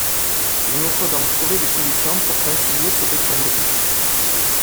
Il nous faut donc trouver des solutions pour concilier ces deux points de vue.